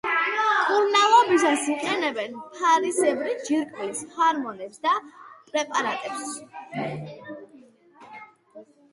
მკურნალობისას იყენებენ ფარისებრი ჯირკვლის ჰორმონებს და პრეპარატებს.